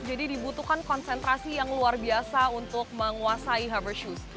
jadi dibutuhkan konsentrasi yang luar biasa untuk menguasai hover shoes